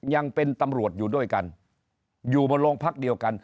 ยังเป็นตำรวจอยู่ด้วยกันอยู่บนโรงพักเดียวกัน